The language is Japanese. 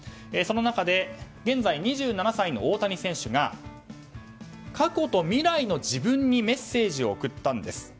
その中で現在２７歳の大谷選手が過去と未来の自分にメッセージを送ったんです。